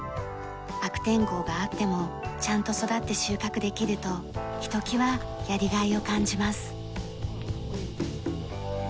悪天候があってもちゃんと育って収穫できるとひときわやりがいを感じます。